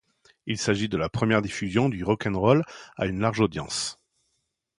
Il s'agit de la première diffusion du rock 'n' roll à une large audience.